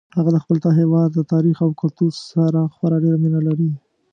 هغه د خپل هیواد د تاریخ او کلتور سره خورا ډیره مینه لري